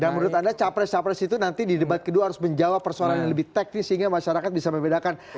dan menurut anda capres capres itu nanti di debat kedua harus menjawab persoalan yang lebih teknis sehingga masyarakat bisa membedakan